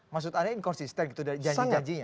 maksud anda inkonsisten gitu janji janjinya